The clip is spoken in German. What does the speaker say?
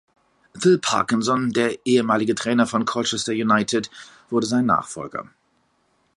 Phil Parkinson, der ehemalige Trainer von Colchester United, wurde sein Nachfolger.